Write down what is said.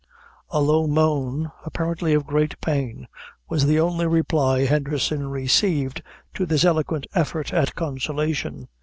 A low moan, apparently of great pain, was the only reply Henderson received to this eloquent effort at consolation.